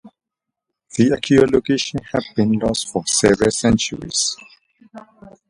The actual location had bene lost for several centuries.